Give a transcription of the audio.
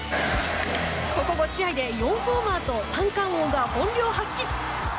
ここ５試合で４ホーマーと三冠王が本領発揮！